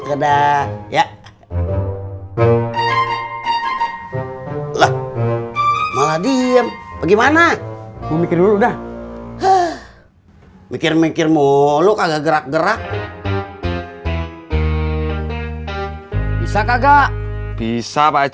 keda ya malah diem bagaimana mikir dulu dah mikir mikir mulu kagak gerak gerak bisa kagak bisa pakcik